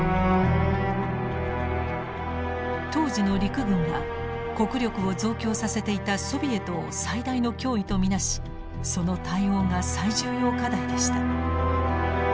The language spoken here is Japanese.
当時の陸軍は国力を増強させていたソビエトを最大の脅威と見なしその対応が最重要課題でした。